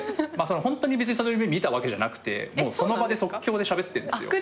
ホントに別にその夢見たわけじゃなくてその場で即興でしゃべってるんですよ。